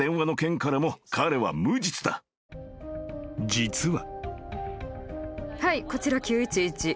［実は］